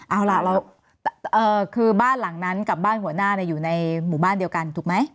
เอาล่ะเราคือบ้านหลังนั้นกับบ้านหัวหน้าอยู่ในหมู่บ้านเดียวกันถูกไหม